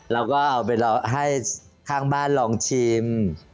เราก็เอาไปให้ข้างบ้านลองชิม